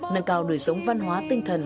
nâng cao đổi sống văn hóa tinh thần